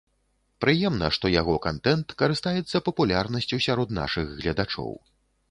Прыемна, што яго кантэнт карыстаецца папулярнасцю сярод нашых гледачоў.